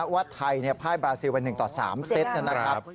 ว่าไทยพ่ายบราซิลไป๑ต่อ๓เซตนะครับ